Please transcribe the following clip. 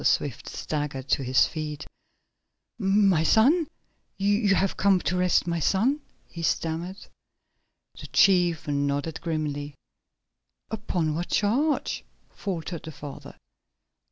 Swift staggered to his feet. "My son! You have come to arrest my son?" he stammered. The chief nodded grimly. "Upon what charge?" faltered the father.